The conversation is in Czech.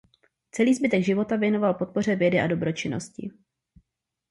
Celý zbytek života věnoval podpoře vědy a dobročinnosti.